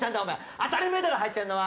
当たり前だろ入ってんのは！